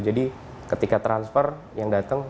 jadi ketika transfer yang datang